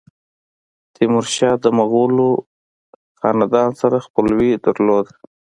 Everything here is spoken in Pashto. تیمورشاه د مغولو خاندان سره خپلوي درلوده.